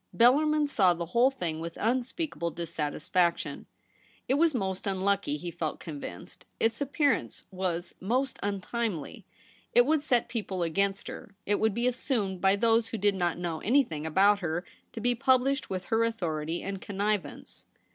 Bellarmin saw the whole thing with unspeakable dissatisfaction. It was most unlucky, he felt convinced ; its appearance 138 THE REBEL ROSE. was most untimely. It would set people against her ; it would be assumed by those who did not know anything about her to be published with her authority and connivance.